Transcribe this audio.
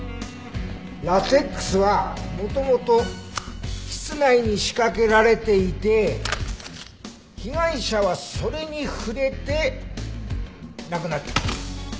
ラテックスは元々室内に仕掛けられていて被害者はそれに触れて亡くなった。